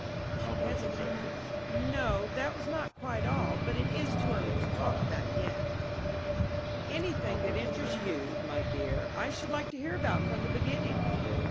She hesitated, "No, that was not quite all, but it is too early to talk about it yet." "Anything that interests you, my dear, I should like to hear about from the beginning."